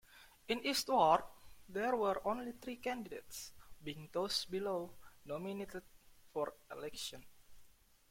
In East Ward, there were only three candidates, being those below, nominated for election.